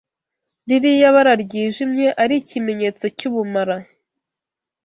ririya bara ryijimye ari ikimenyetso cy’ubumara